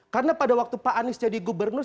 karena pada waktu pak anies jadi gubernur